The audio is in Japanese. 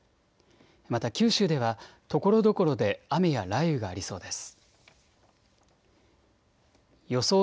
また九州ではところどころで雨や雷雨がありそうです。